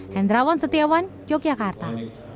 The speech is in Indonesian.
hendrawan setiawan yogyakarta